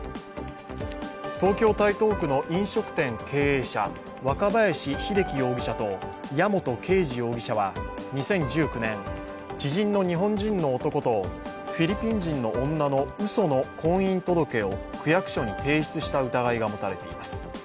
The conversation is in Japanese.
東京・台東区の飲食店経営者若林秀機容疑者と矢本啓二容疑者は２０１９年、知人の日本人の男とフィリピン人の女のうその婚姻届を区役所に提出した疑いが持たれています。